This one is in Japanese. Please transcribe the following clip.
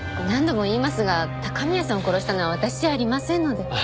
何度も言いますが高宮さんを殺したのは私じゃありませんので。